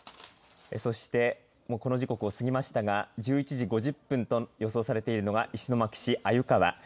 そして、この時刻を過ぎましたが１１時５０分と予想されているのが石巻市鮎川